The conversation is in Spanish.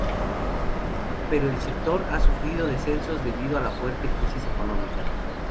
Pero el sector, ha sufrido descensos debido a la fuerte crisis económica.